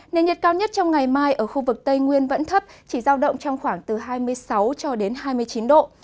nền nhiệt cao nhất trong ngày mai ở khu vực tây nguyên vẫn thấp chỉ giao động trong khoảng từ hai mươi sáu cho đến hai mươi chín độ